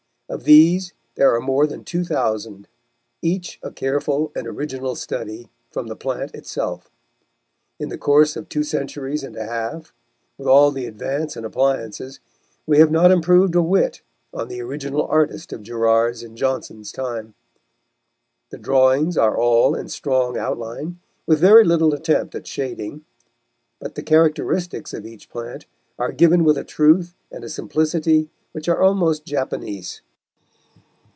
Of these there are more than two thousand, each a careful and original study from the plant itself. In the course of two centuries and a half, with all the advance in appliances, we have not improved a whit on the original artist of Gerard's and Johnson's time. The drawings are all in strong outline, with very little attempt at shading, but the characteristics of each plant are given with a truth and a simplicity which are almost Japanese.